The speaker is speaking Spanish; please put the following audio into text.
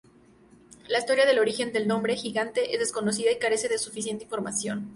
La historia del origen del nombre, "Gigante", es desconocida y carece de suficiente información.